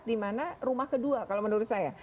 dimana rumah kedua kalau menurut saya